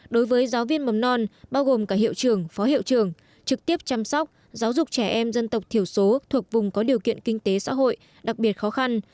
đối với giáo viên mầm non bao gồm cả hiệu trưởng phó hiệu trường trực tiếp chăm sóc giáo dục trẻ em dân tộc thiểu số thuộc vùng có điều kiện kinh tế xã hội đặc biệt khó khăn